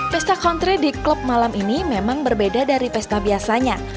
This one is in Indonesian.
pesta country di klub malam ini memang berbeda dari pesta biasanya